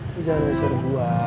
lo jangan berusaha buat gue